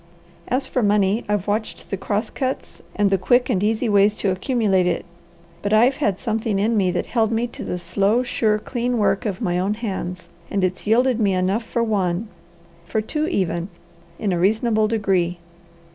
As for money, I've watched the cross cuts and the quick and easy ways to accumulate it; but I've had something in me that held me to the slow, sure, clean work of my own hands, and it's yielded me enough for one, for two even, in a reasonable degree.